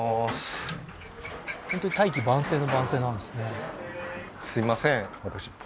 本当に大器晩成の晩成なんですね